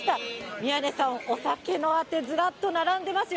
宮根さん、お酒のあて、ずらっと並んでますよ。